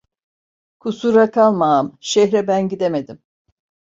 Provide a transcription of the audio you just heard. Kusura kalma ağam, şehre ben gidemedim…